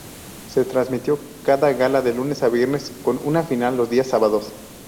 Se transmitió cada gala de lunes a viernes con una final los días sábados.